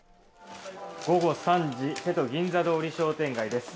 午後３時せと銀座通り商店街です。